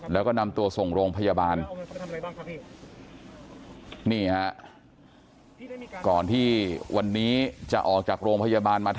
แล้วก็นำตัวส่งโรงพยาบาล